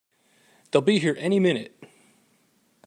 They'll be here any minute!